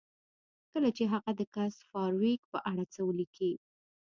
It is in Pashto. کله چې هغه د ګس فارویک په اړه څه لیکي